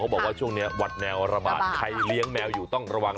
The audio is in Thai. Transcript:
บอกว่าช่วงนี้วัดแนวระบาดใครเลี้ยงแมวอยู่ต้องระวัง